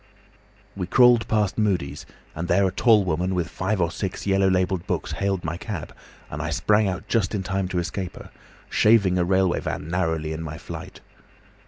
"We crawled past Mudie's, and there a tall woman with five or six yellow labelled books hailed my cab, and I sprang out just in time to escape her, shaving a railway van narrowly in my flight.